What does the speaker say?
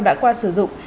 đã qua sử dụng